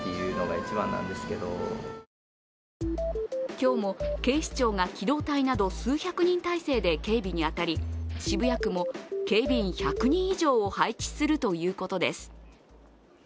今日も警視庁が機動隊など数百人態勢で警備に当たり渋谷区も警備員１００人以上を配置するということです。